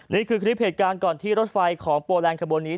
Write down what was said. นี่คือคลิปเหตุการณ์ก่อนที่รถไฟของโปแลนดขบวนนี้